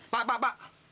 pak pak pak